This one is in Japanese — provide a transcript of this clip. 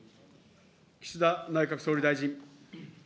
岸田内閣総理大臣。